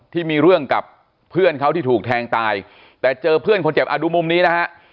ที่มีเรื่องกับเพื่อนเขาที่ถูกแทงตายแต่เจอเพื่อนคนเจ็บอ่ะดูมุมนี้นะฮะ